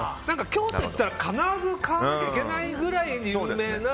京都行ったら必ず買わなきゃいけないぐらいの有名な。